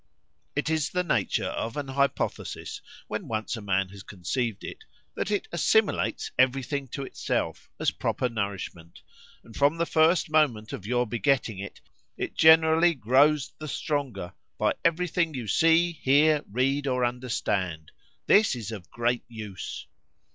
It is the nature of an hypothesis, when once a man has conceived it, that it assimilates every thing to itself, as proper nourishment; and, from the first moment of your begetting it, it generally grows the stronger by every thing you see, hear, read, or understand. This is of great use.